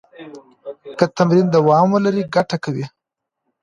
که تمرین دوام ولري، ګټه کوي.